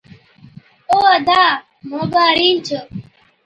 او ادا موڳا رِينڇ۔